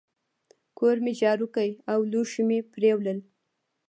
کور مي جارو کی او لوښي مي پرېولل.